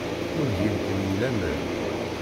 Ur gint deg-i laman.